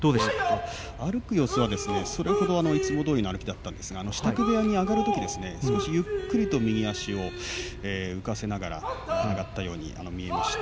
歩く様子は、それほどいつもどおりの歩きだったんですけれども、支度部屋に上がるとき少しゆっくりと右足を浮かせながら上がったように見えました。